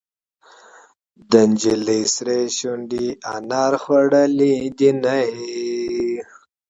د نجلۍ سرې شونډې انار خوړلې دينهه.